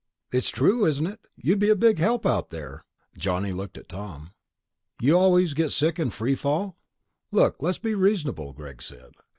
"It's true, isn't it? You'd be a big help out there." Johnny looked at Tom. "You always get sick in free fall?" "Look, let's be reasonable," Greg said.